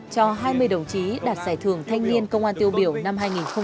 cho hai mươi đồng chí đạt giải thưởng thanh niên công an tiêu biểu năm hai nghìn hai mươi ba